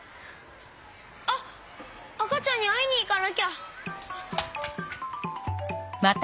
あっあかちゃんにあいにいかなきゃ。